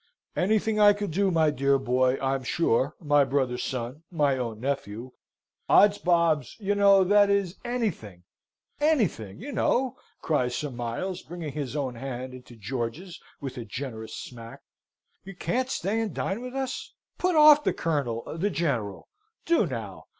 "Anything I could do, my dear boy, I'm sure my brother's son my own nephew ods bobs! you know that is, anything anything, you know!" cries Sir Miles, bringing his own hand into George's with a generous smack. "You can't stay and dine with us? Put off the Colonel the General do, now!